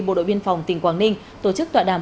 bộ đội biên phòng tỉnh quảng ninh tổ chức tọa đàm